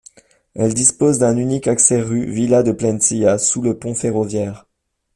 Elle dispose d'un unique accès rue Villa de Plentzia, sous le pont ferroviaire.